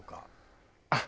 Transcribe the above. あっ！